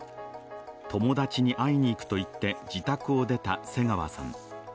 友達に会いに行くと言って自宅を出た瀬川さん。